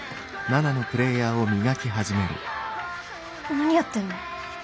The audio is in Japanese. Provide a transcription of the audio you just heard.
何やってんの？